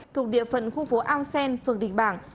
thuộc địa phận khu phố aung san phường đình bảng